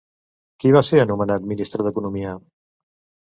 Qui va ser anomenat ministre d'economia?